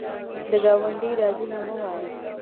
د ګاونډي رازونه مه وایه